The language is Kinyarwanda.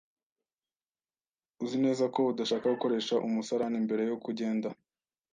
Uzi neza ko udashaka gukoresha umusarani mbere yuko ugenda?